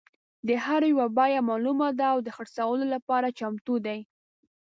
د هر یو بیه معلومه ده او د خرڅلاو لپاره چمتو دي.